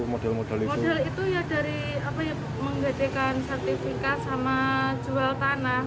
modal itu ya dari menggedekan sertifikat sama jual tanah